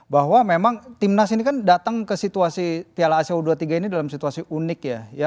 bahwa memang timnas ini kan datang ke situasi piala asia u dua puluh tiga ini dalam situasi unik ya